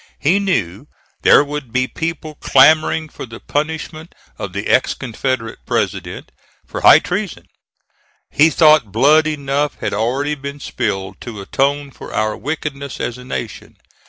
He knew there would be people clamoring for the punishment of the ex Confederate president, for high treason. He thought blood enough had already been spilled to atone for our wickedness as a nation.